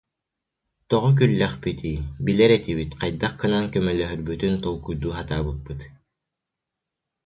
Тоҕо күллэхпитий, билэр этибит, хайдах гынан көмөлөһөрбүтүн толкуйдуу сатаабыппыт